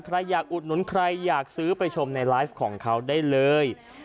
ใครอยากอุดหนุนใครอยากซื้อไปชมในไลฟ์ของเขาได้เลย